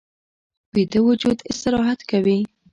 ویده وجود استراحت کوي